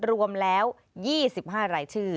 รวมแล้ว๒๕รายชื่อ